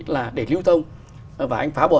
là để lưu thông và anh phá bỏ